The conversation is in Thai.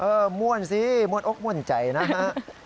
เออมวลสิมวลอกมวลใจนะฮะ